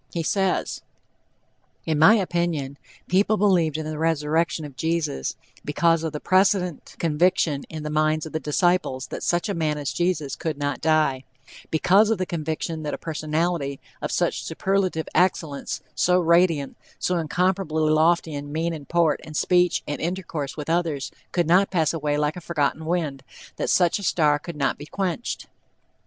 He says: "In my opinion, people believed in the resurrection of Jesus because of the precedent conviction in the minds of the disciples that such a man as Jesus could not die, because of the conviction that a personality of such superlative excellence, so radiant, so incomparably lofty in mien and port and speech and intercourse with others, could not pass away like a forgotten wind, that such a star could not be quenched."